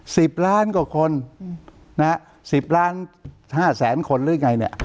สิบล้านกว่าคนอืมนะฮะสิบล้านห้าแสนคนหรือยังไงเนี่ย